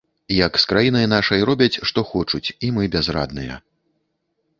Як з краінай нашай робяць што хочуць, і мы бязрадныя.